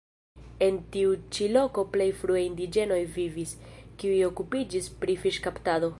En tiu ĉi loko plej frue indiĝenoj vivis, kiuj okupiĝis pri fiŝkaptado.